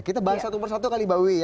kita bahas satu persatu kali mbak wiwi ya